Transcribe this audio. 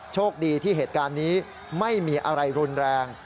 โชคดีที่เหตุการณ์นี้ไม่มีอะไรรุนแรง